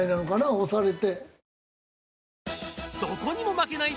押されて。